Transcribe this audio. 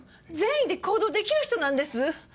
善意で行動できる人なんです！